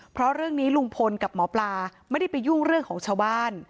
เพราะเรื่องนี้ลุงพลกับหมอปลาไม่ได้ไปยุ่งเรื่องของชาวบ้าน